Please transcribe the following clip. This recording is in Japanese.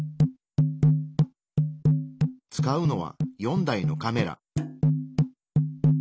使うのは４台のカメラ。